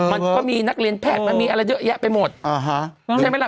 มันก็มีนักเรียนแพทย์มันมีอะไรเยอะแยะไปหมดอ่าฮะใช่ไหมล่ะ